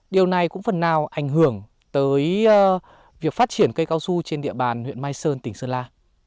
điều này cũng phần nào ảnh hưởng tới việc phát triển cây cao su trên địa bàn huyện mai sơn tỉnh sơn la